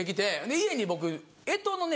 家に僕干支のね